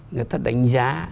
người ta đánh giá